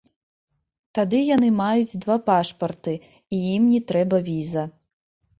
Тады яны маюць два пашпарты, і ім не трэба віза.